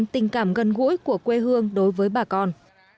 tình cảm gần gũi của quê hương đối với bà con